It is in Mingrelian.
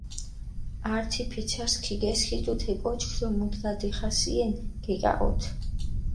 ართი ფიცარს ქიგესქიდუ თე კოჩქ დო მუდგა დიხასიენ გეკაჸოთჷ.